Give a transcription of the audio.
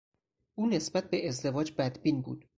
او نسبت به ازدواج بدبین بود.